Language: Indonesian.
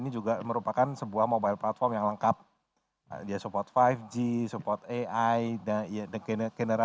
jeren banget ya